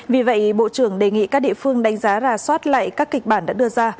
vì vậy bộ trưởng đề nghị các địa phương đánh giá ra soát lại các kịch bản đã đưa ra